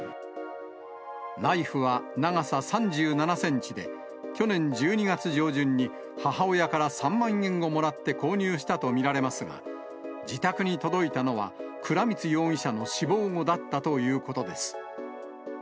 ナイフは長さ３７センチで、去年１２月上旬に、母親から３万円をもらって購入したと見られますが、自宅に届いたのは倉光容疑者の死亡後だったということです。